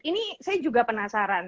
ini saya juga penasaran